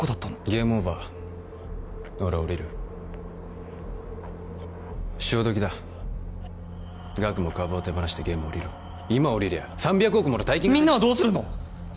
ゲームオーバー俺は降りる潮時だガクも株を手放してゲーム降りろ今降りりゃ３００億もの大金がみんなはどうするの？